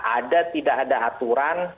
ada tidak ada aturan